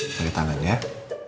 udah cuci tangan udah